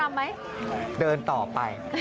รำไหมรำไหมเดินต่อไป